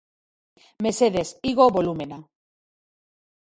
Mesedez igo bolumena